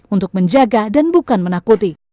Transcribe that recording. untuk menjaga dan bukan menakuti